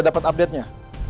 dapat update nya